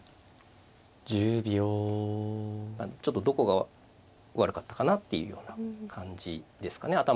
どこが悪かったかなっていうような感じですかね。